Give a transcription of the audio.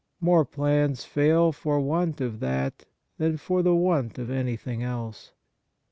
More plans fail for want of that than for the want of anything else.